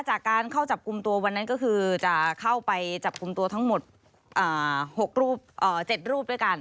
จากการเข้าจับกลุ่มตัววันนั้นก็คือจะเข้าไปจับกลุ่มตัวทั้งหมด๖๗รูปด้วยกัน